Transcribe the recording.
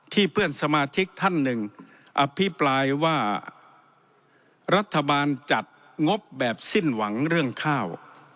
เพื่อนสมาชิกท่านหนึ่งอภิปรายว่ารัฐบาลจัดงบแบบสิ้นหวังเรื่องข้าว